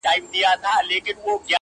چي درانه بارونه وړي، خورک ئې ځوز دئ.